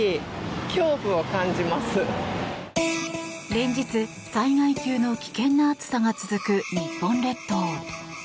連日、災害級の危険な暑さが続く日本列島。